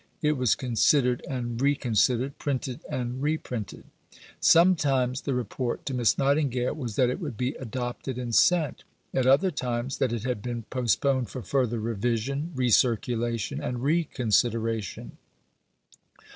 It was considered and reconsidered; printed and reprinted. Sometimes the report to Miss Nightingale was that it would be adopted and sent; at other times, that it had been postponed for further revision, recirculation, and reconsideration.